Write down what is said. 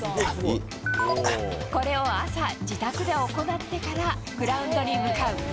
これを朝、自宅で行ってからグラウンドに向かう。